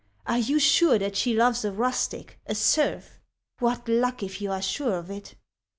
" Are you sure that she loves a rustic, a serf ? What luck, if you are sure of it